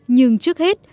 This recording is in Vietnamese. nhưng trước hết